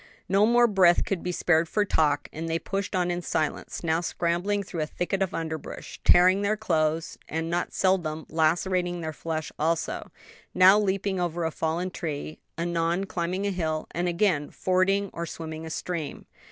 No more breath could be spared for talk, and they pushed on in silence, now scrambling through a thicket of underbrush, tearing their clothes and not seldom lacerating their flesh also; now leaping over a fallen tree, anon climbing a hill, and again fording or swimming a stream.